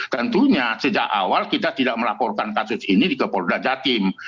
tentunya sejak awal kita tidak melaporkan kasus ini ke polda jatim